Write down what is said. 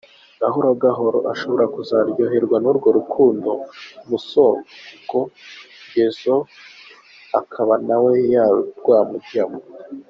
Gahoro gahoro ashobora kuzaryoherwa n’urwo rukundo umusogongezaho akaba nawe rwamujaymo.